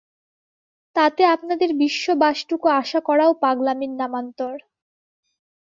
তাতে আপনাদের বিশ্ববাসটুকু আশা করাও পাগলামির নামান্তর।